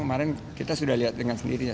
kemarin kita sudah lihat dengan sendirinya